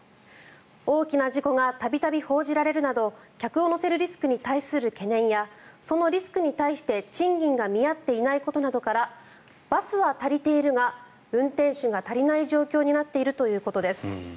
大きな事故が度々報じられるなど客を乗せるリスクに対する懸念やそのリスクに対して賃金が見合っていないことなどからバスは足りているが運転手が足りない状況になっているということです。